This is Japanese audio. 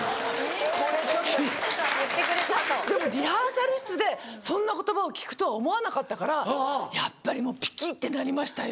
・言ってくれたと・でもリハーサル室でそんな言葉を聞くとは思わなかったからやっぱりもうピキってなりましたよ。